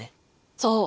そう。